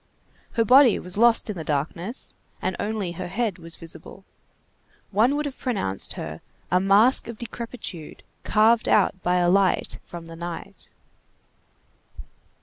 Her body was lost in the darkness, and only her head was visible. One would have pronounced her a mask of Decrepitude carved out by a light from the night.